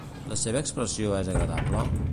La seva expressió és agradable?